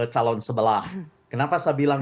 calon sebelah kenapa saya bilang